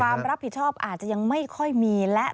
ความรับผิดชอบอาจจะยังไม่ค่อยมีและ